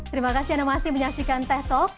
terima kasih anda masih menyaksikan teh talk